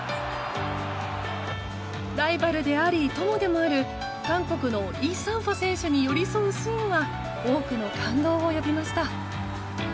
ライバルであり友でもある韓国のイ・サンファ選手に寄り添うシーンは多くの感動を呼びました。